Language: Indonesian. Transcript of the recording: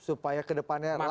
supaya kedepannya lancar